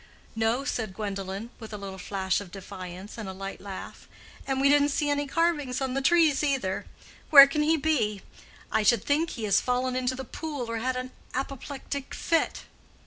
"No," said Gwendolen, with a little flash of defiance, and a light laugh. "And we didn't see any carvings on the trees, either. Where can he be? I should think he has fallen into the pool or had an apoplectic fit."